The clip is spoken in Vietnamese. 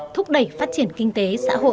thúc đẩy phát triển kinh tế xã hội